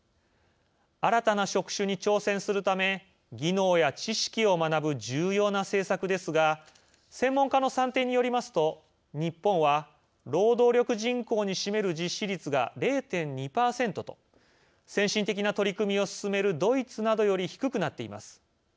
新たな職種に挑戦するため技能や知識を学ぶ重要な政策ですが専門家の算定によりますと日本は労働力人口に占める実施率が０．２％と先進的な取り組みを進めるドイツなどより低くなっています。